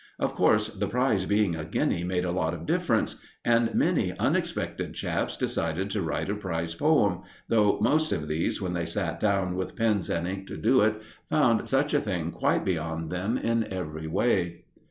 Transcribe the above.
Of course, the prize being a guinea made a lot of difference, and many unexpected chaps decided to write a prize poem, though most of these, when they sat down with pens and ink to do it, found such a thing quite beyond them in every way.